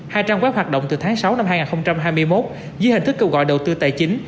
hai trang web hoạt động từ tháng sáu năm hai nghìn hai mươi một dưới hình thức kêu gọi đầu tư tài chính